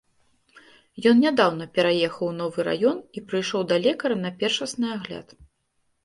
Ён нядаўна пераехаў у новы раён і прыйшоў да лекара на першасны агляд.